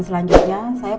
berundurin sama terus tp